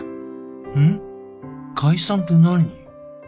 ん？解散って何？